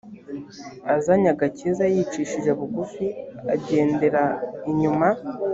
azanye agakiza yicishije bugufi agendera inyuma